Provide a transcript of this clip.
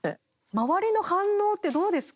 周りの反応ってどうですか？